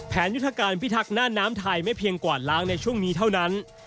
ยุทธการพิทักษ์หน้าน้ำไทยไม่เพียงกวาดล้างในช่วงนี้เท่านั้น